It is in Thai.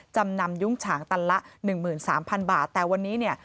จำนำยุ่งฉางตันละ๑๓๐๐๐บาทแต่วันนี้เนี่ย